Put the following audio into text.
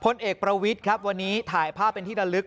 เอกประวิทย์ครับวันนี้ถ่ายภาพเป็นที่ระลึก